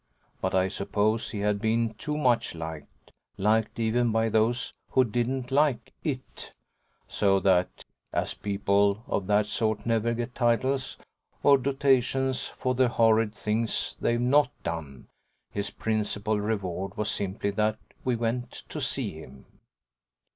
But I suppose he had been too much liked liked even by those who didn't like IT so that as people of that sort never get titles or dotations for the horrid things they've NOT done, his principal reward was simply that we went to see him.